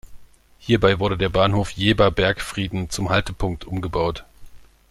Hierbei wurde der Bahnhof Jeber-Bergfrieden zum Haltepunkt umgebaut.